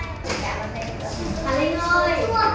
hà linh ơi hà linh